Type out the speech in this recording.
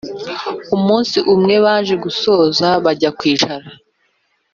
umunsi umwe baje gusoza bajya kwicara